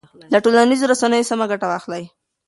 له ټولنیزو رسنیو سمه ګټه واخلئ.